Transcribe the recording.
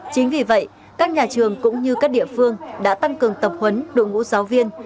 chính vì vậy các nhà trường cũng như các địa phương đã tăng cường tập huấn đội ngũ giáo viên